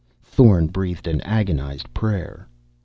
Thorn breathed an agonized prayer....